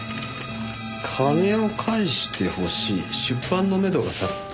「金を返して欲しい」「出版のめどが立った」